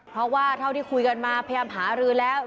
เพราะว่าเท่าที่คุยกันมาพยายามหารือแล้ว